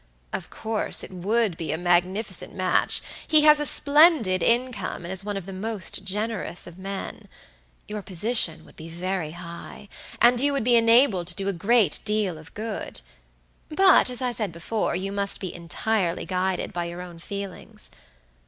Of course it would be a magnificent match; he has a splendid income, and is one of the most generous of men. Your position would be very high, and you would be enabled to do a great deal of good; but, as I said before, you must be entirely guided by your own feelings.